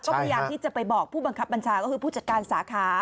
ก็พยายามที่จะไปบอกผู้บังคับบัญชาก็คือผู้จัดการสาขา